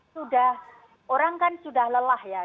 sudah orang kan sudah lelah ya